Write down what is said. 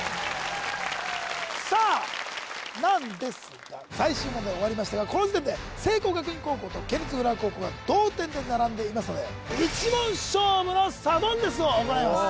さあなんですが最終問題終わりましたがこの時点で聖光学院高校と県立浦和高校が同点で並んでいますので１問勝負のサドンデスを行います